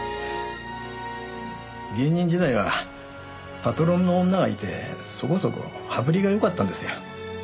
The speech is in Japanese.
芸人時代はパトロンの女がいてそこそこ羽振りが良かったんですよ。